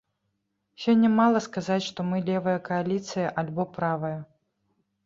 Сёння мала сказаць, што мы левая кааліцыя альбо правая.